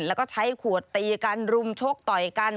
แล้วก็ใช้ขวดตีกันรุมชกต่อยกัน